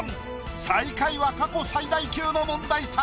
最下位は過去最大級の問題作！